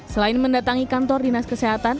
selain mendatangi kantor dinas kesehatan